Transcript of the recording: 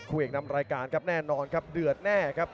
เอกนำรายการครับแน่นอนครับเดือดแน่ครับ